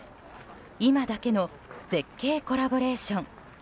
今だけの絶景コラボレーション。